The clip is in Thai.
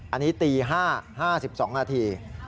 อันนี้ตี๕๕๒นาที